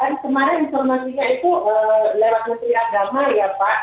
kan kemarin informasinya itu lewat menteri agama ya pak